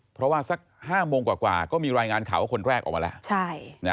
เพราะว่าสัก๕โมงกว่าก็มีรายงานข่าวว่าคนแรกออกมาแล้ว